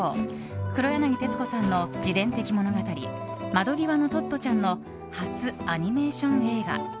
黒柳徹子さんの自伝的物語「窓ぎわのトットちゃん」の初アニメーション映画。